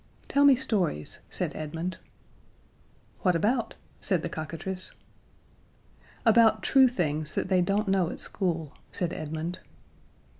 "Tell me stories," said Edmund. "What about?" said the cockatrice. "About true things that they don't know at school," said Edmund.